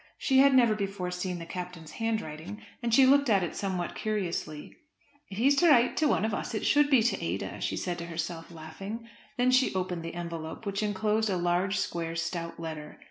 She had never before seen the Captain's handwriting, and she looked at it somewhat curiously. "If he's to write to one of us it should be to Ada," she said to herself, laughing. Then she opened the envelope, which enclosed a large square stout letter.